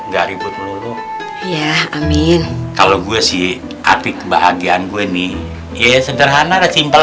gak ribut dulu ya amin kalau gue sih arti kebahagiaan gue nih ya sederhana dan simpel